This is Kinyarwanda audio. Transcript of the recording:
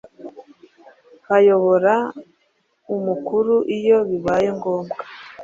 hayobora u Mukuru iyo bibaye ngombwa